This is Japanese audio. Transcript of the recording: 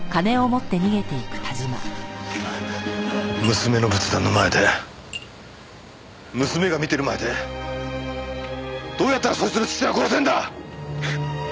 娘の仏壇の前で娘が見てる前でどうやったらそいつの父親を殺せるんだ！